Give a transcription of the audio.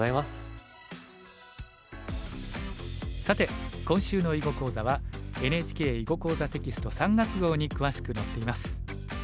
さて今週の囲碁講座はＮＨＫ「囲碁講座」テキスト３月号に詳しく載っています。